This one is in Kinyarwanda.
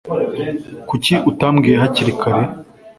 Kuki utambwiye hakiri kare?